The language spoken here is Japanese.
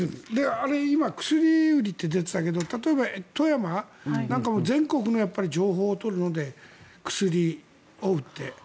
今、薬売りって出ていたけど富山なんかも全国の情報を取るので薬を売って。